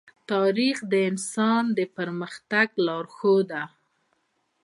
تاریخ د انسان د پرمختګ لارښود دی.